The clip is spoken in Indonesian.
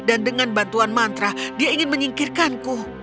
dan dengan bantuan mantra dia ingin menyingkirkanku